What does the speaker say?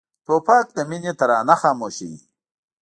توپک د مینې ترانه خاموشوي.